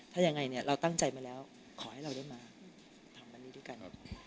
ถ้ายังไงเนี่ยเราตั้งใจมาแล้วขอให้เราได้มาทำอันนี้ด้วยกัน